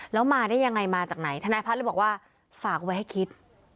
แล้วมาได้ยังไงมาจากไหนทนายพัฒน์เลยบอกว่าฝากไว้ให้คิด